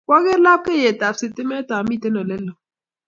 Kyoger lapkeiyet tab sitimet amiten oleloo